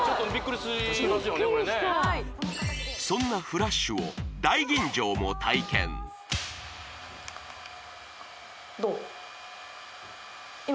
すごいそんなフラッシュを大吟嬢も体験どう？